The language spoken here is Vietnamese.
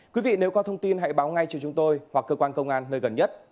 quý vị nếu có thông tin hãy báo ngay cho chúng tôi hoặc cơ quan công an nơi gần nhất